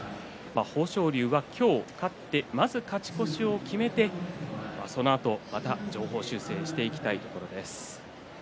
豊昇龍は今日勝ってまず勝ち越しを決めてそのあとまた修正していきたいところです。